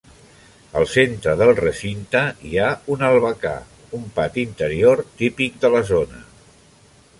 Al centre del recinte hi ha un albacar, un pati interior típic de la zona.